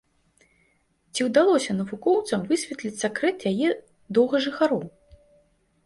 Ці ўдалося навукоўцам высветліць сакрэт яе доўгажыхароў?